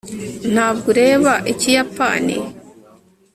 ntabwo ureba ikiyapani